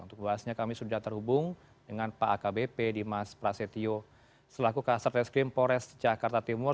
untuk bahasnya kami sudah terhubung dengan pak akbp dimas prasetyo selaku kasat reskrim pores jakarta timur